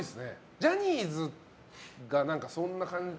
ジャニーズがそんな感じ。